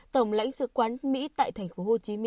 tổng lãnh sự quán mỹ tại tp hcm